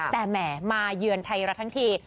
แต่แหมมาเยือนไทยรัฐทั้งที